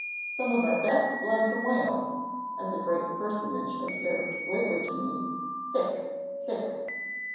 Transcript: Some of our best blood from Wales, as a great personage observed lately to me, Thick, thick!